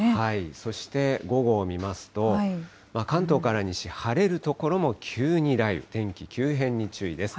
そして午後を見ますと、関東から西、晴れる所も急に雷雨、天気急変に注意です。